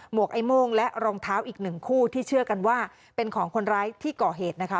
วกไอ้โม่งและรองเท้าอีกหนึ่งคู่ที่เชื่อกันว่าเป็นของคนร้ายที่ก่อเหตุนะคะ